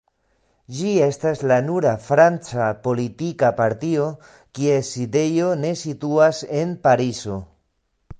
Ĝi estas la nura franca politika partio, kies sidejo ne situas en Parizo.